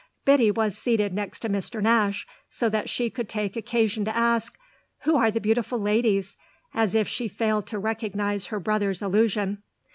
Biddy was seated next to Mr. Nash, so that she could take occasion to ask, "Who are the beautiful ladies?" as if she failed to recognise her brother's allusion.